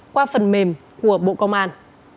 qua phần mềm của bộ công an